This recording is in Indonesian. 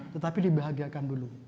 tetapi dibahagiakan dulu